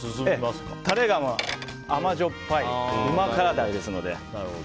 タレが甘じょっぱいうま辛ダレですので。